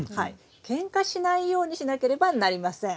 けんかしないようにしなければなりません。